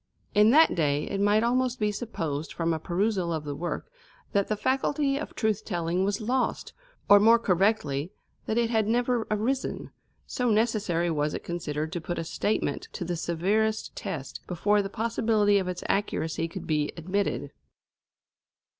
In that day it might almost be supposed from a perusal of the work that the faculty of truth telling was lost, or more correctly that it had never arisen, so necessary was it considered to put a statement to the severest test before the possibility of its accuracy could be admitted.